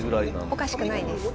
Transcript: おかしくないです。